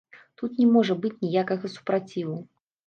Тут не можа быць ніякага супраціву.